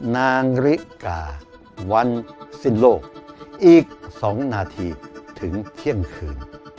นาฬิกาวันสิ้นโลกอีก๒นาทีถึงเที่ยงคืน